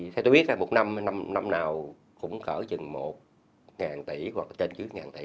thì tôi biết là một năm nào cũng khởi chừng một ngàn tỷ hoặc trên dưới một ngàn tỷ